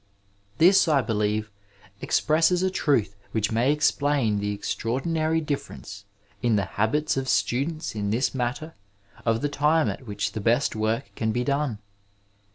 This, I believe, expresses a truth which may explain the extraordinary difference in the habits of students in this matter of the time at which the best work can be done.